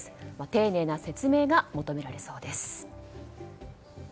丁寧な説明が求められそうです。